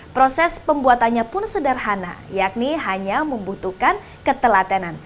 proses pembuatannya pun sederhana yakni hanya membutuhkan ketelatenan